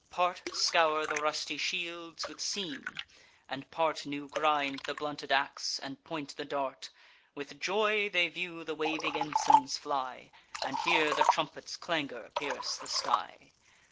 Part scour the rusty shields with seam; and part New grind the blunted ax, and point the dart: With joy they view the waving ensigns fly, And hear the trumpet's clangour pierce the sky.